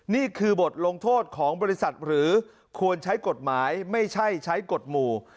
นี่คือบทลงโทษของบริษัทหรือควรใช้กฎหมายไม่ใช่ใช้กฎหมู่